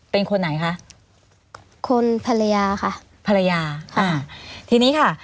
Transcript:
เป็นคนไหนคะคนภรรยาค่ะภรรยาอ่าทีนี้ค่ะ